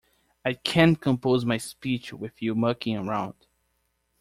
I can't compose my speech with you mucking around.